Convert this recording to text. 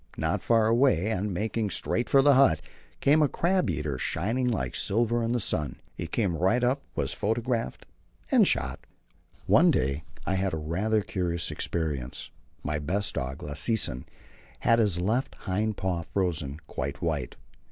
Not far away, and making straight for the hut, came a crab eater, shining like silver in the sun. He came right up, was photographed, and shot. One day I had a rather curious experience. My best dog, Lassesen, had his left hind paw frozen quite white.